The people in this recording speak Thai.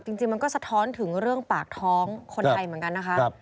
จริงมันก็สะท้อนถึงเรื่องปากท้องคนไทยเหมือนกันนะคะ